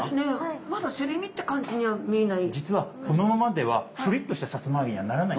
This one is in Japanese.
まだすり身って感じには見えない。